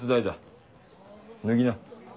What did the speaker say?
脱ぎな。